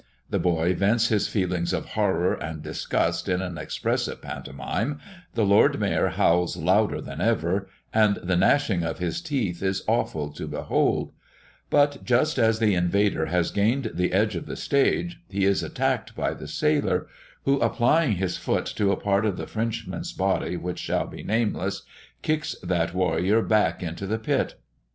The boy vents his feelings of horror and disgust in an expressive pantomime, the Lord Mayor howls louder than ever, and the gnashing of his teeth is awful to behold; but just as the invader has gained the edge of the stage, he is attacked by the sailor, who, applying his foot to a part of the Frenchman's body which shall be nameless, kicks that warrior back into the pit.